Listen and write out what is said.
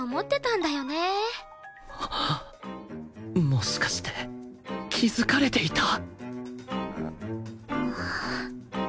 もしかして気づかれていた？